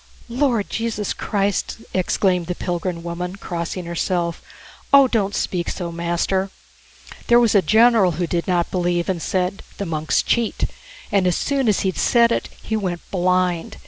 "Lord Jesus Christ!" exclaimed the pilgrim woman, crossing herself. "Oh, don't speak so, master! There was a general who did not believe, and said, 'The monks cheat,' and as soon as he'd said it he went blind.